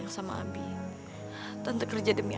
aku mau pergi